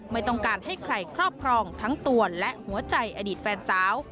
ไม่ต้องการให้ใครครอบครองทั้งตัวและหัวใจอดีตแฟนสาว